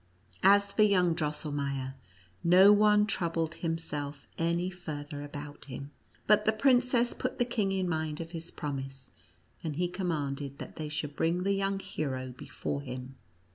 As for yonng Drosselmeier, no one troubled himself any farther about him, but the princess put the king in mind of his promise, and he commanded that they should bring the young hero before him.